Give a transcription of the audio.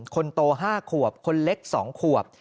คนโต๕ขวบคนเล็ก๒ขวบ